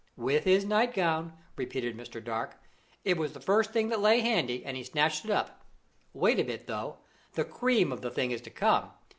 "With his nightgown," repeated Mr. Dark. "It was the first thing that lay handy, and he snatched it up. Wait a bit, though; the cream of the thing is to come.